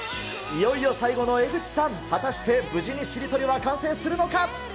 いよいよ最後の江口さん、果たして無事にしりとりは完成するのか？